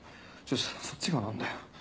そっちが何だよ？